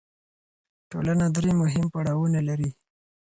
ټولنه درې مهم پړاوونه لري.